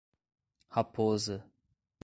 Raposa